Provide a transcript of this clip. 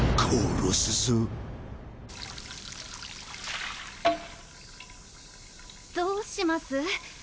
コンどうします？